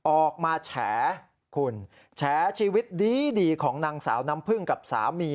ออกมาแฉคุณแฉชีวิตดีของนางสาวน้ำพึ่งกับสามี